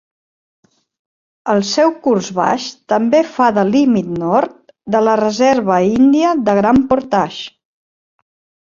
El seu curs baix també fa de límit nord de la reserva índia de Grand Portage.